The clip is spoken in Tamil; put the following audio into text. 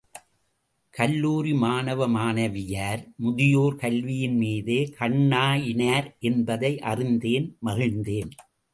கல்லூரி மாணவ மாணவியார் முதியோர் கல்வியின் மீதே கண்ணாயினார் என்பதை அறிந்தேன், மகிழ்ந்தேன்.